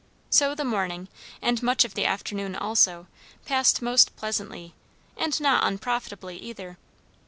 So the morning, and much of the afternoon also, passed most pleasantly, and not unprofitably either.